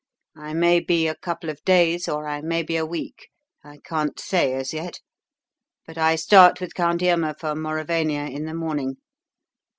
I may be a couple of days or I may be a week I can't say as yet; but I start with Count Irma for Mauravania in the morning.